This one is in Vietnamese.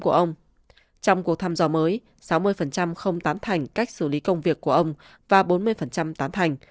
trong cuộc thăm dò mới sáu mươi không tán thành cách xử lý công việc của ông và bốn mươi tán thành